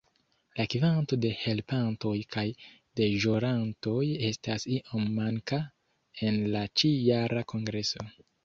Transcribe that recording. La kvanto de helpantoj kaj deĵorantoj estas iom manka en la ĉi-jara kongreso.